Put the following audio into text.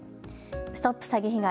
ＳＴＯＰ詐欺被害！